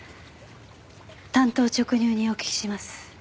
単刀直入にお聞きします。